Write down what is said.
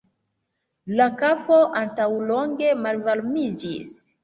La kafo antaŭlonge malvarmiĝis.